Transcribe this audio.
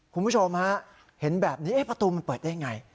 คุณผู้ชมฮะเห็นแบบนี้ประตูมันเปิดได้ไง